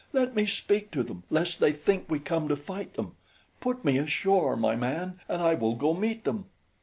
Let me speak to them lest they think we come to fight them. Put me ashore, my man, and I will go meet them."